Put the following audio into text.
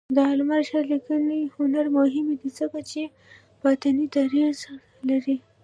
د علامه رشاد لیکنی هنر مهم دی ځکه چې باطني دریځ لري.